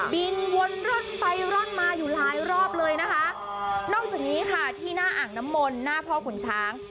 วนร่อนไปร่อนมาอยู่หลายรอบเลยนะคะนอกจากนี้ค่ะที่หน้าอ่างน้ำมนต์หน้าพ่อขุนช้าง